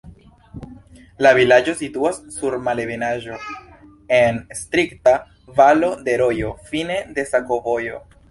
La vilaĝo situas sur malebenaĵo en strikta valo de rojo, fine de sakovojo.